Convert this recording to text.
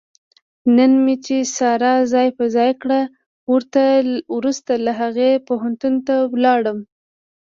نن مې چې ساره ځای په ځای کړه، ورسته له هغې پوهنتون ته ولاړم.